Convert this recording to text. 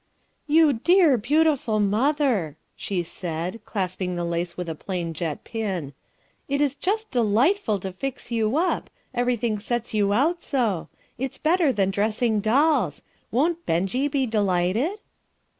"You dear, beautiful mother," she said, clasping the lace with a plain jet pin; "it is just delightful to fix you up, everything sets you out so; its better than dressing dolls. Won't Benjie be delighted?"